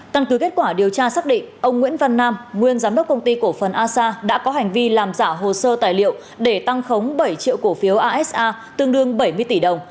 căn cứ kết quả điều tra xác định ông nguyễn văn nam nguyên giám đốc công ty cổ phần asa đã có hành vi làm giả hồ sơ tài liệu để tăng khống bảy triệu cổ phiếu asa tương đương bảy mươi tỷ đồng